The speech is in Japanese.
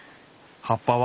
葉っぱは？